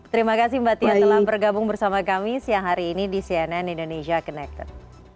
terima kasih mbak tia telah bergabung bersama kami siang hari ini di cnn indonesia connected